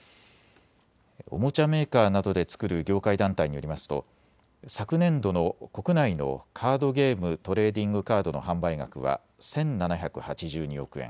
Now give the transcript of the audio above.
おもちゃメーカーなどで作る業界団体によりますと昨年度の国内のカードゲーム、トレーディングカードの販売額は１７８２億円。